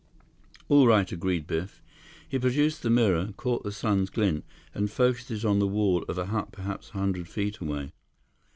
"All right," agreed Biff. He produced the mirror, caught the sun's glint, and focused it on the wall of a hut perhaps a hundred feet away.